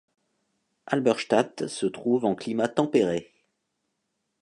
Halberstadt se trouve en climat tempéré.